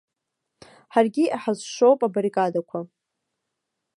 Ҳаргьы иҳазшоуп абаррикадақәа.